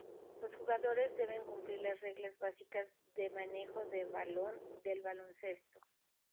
Los jugadores deben cumplir las reglas básicas de manejo de balón del baloncesto.